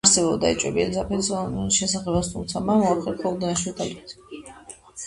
არსებობდა ეჭვები ელიზაბეთის თანამონაწილეობის შესახებაც, თუმცა, მან მოახერხა უდანაშაულობის დამტკიცება.